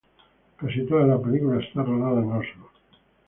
Casi toda la película está rodada en Oslo.